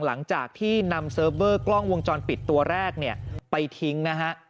หลังจากที่นำเซอร์เวอร์กล้องวงจรปิดตัวแรกไปทิ้ง